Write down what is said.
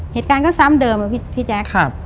เหตุการณ์ก็ซ้ำเดิมอะพี่แจ๊ค